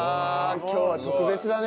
今日は特別だね。